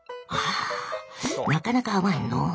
あなかなか合わんのう。